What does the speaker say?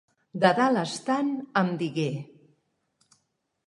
De dalt estant em digué...